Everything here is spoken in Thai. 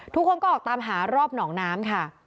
ทุกคนก็ออกตามหารอบหนองน้ำค่ะ